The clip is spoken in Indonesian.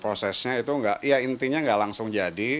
prosesnya itu enggak ya intinya nggak langsung jadi